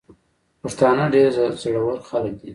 پښتانه ډير زړه ور خلګ دي.